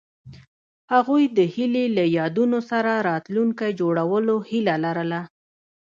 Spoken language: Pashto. هغوی د هیلې له یادونو سره راتلونکی جوړولو هیله لرله.